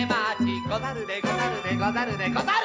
「ござるでござるでござるでござる」